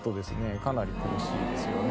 かなり厳しいですよね。